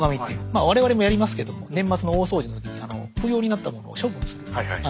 まあ我々もやりますけども年末の大掃除の時にあの不要になったものを処分する。